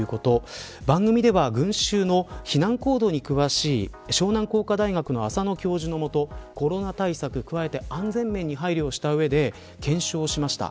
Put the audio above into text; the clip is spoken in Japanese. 番組では群衆の避難行動に詳しい湘南工科大学の浅野教授のもとコロナ対策に加えて安全面に配慮した上で検証しました。